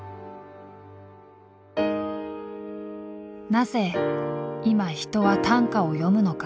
なぜ今人は短歌を詠むのか。